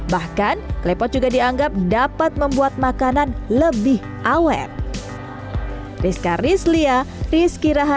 bahkan claypot juga dianggap sebagai peralatan yang lebih mudah untuk membuat makanan